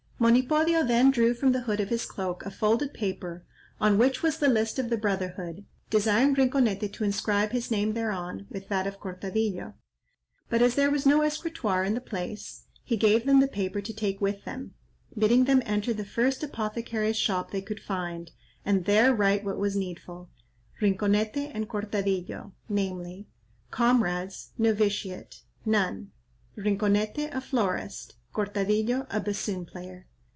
Monipodio then drew from the hood of his cloak a folded paper, on which was the list of the brotherhood, desiring Rinconete to inscribe his name thereon, with that of Cortadillo; but as there was no escritoire in the place, he gave them the paper to take with them, bidding them enter the first apothecary's shop they could find, and there write what was needful: "Rinconete, and Cortadillo," namely, "comrades; novitiate, none; Rinconete, a florist; Cortadillo, a bassoon player."